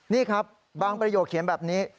นี่ครับบางประโยคเขียนแบบนี้